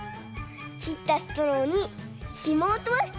きったストローにひもをとおしたんだ。